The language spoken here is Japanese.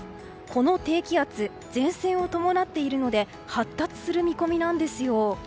この低気圧前線を伴っているので発達する見込みなんですよ。